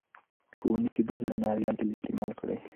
په اونۍ کې دوه ځله ناریال تېل استعمال کړئ.